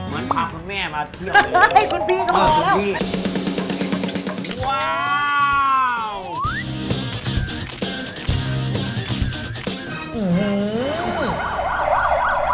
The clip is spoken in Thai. มันพาคุณแม่มาเที่ยวเลย